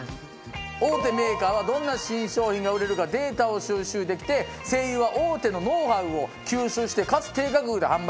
大手メーカーはどんな新商品が売れるかデータを収集できて西友は大手のノウハウを吸収してかつ低価格で販売できるから。